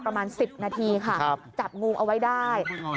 ประมาณ๑๐นาทีค่ะจับงูเอาไว้ได้